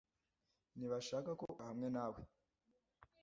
Ntibashaka ko ugaruka hamwe nawe.